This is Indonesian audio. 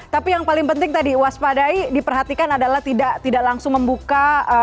tapi yang paling penting tadi waspadai diperhatikan adalah tidak langsung membuka